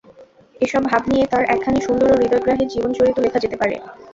এসব ভাব নিয়ে তাঁর একখানি সুন্দর ও হৃদয়গ্রাহী জীবনচরিত লেখা যেতে পারে।